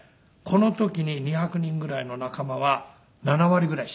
この時に２００人ぐらいの仲間は７割ぐらい死んじゃった。